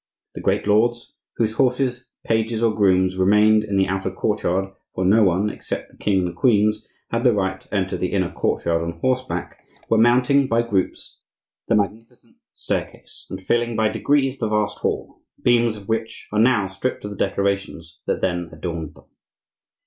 The great lords, whose horses, pages, or grooms remained in the outer courtyard,—for no one, except the king and the queens, had the right to enter the inner courtyard on horseback,—were mounting by groups the magnificent staircase, and filling by degrees the vast hall, the beams of which are now stripped of the decorations that then adorned them.